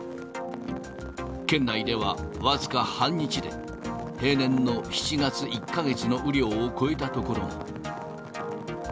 県内では僅か半日で、平年の７月１か月の雨量を超えた所も。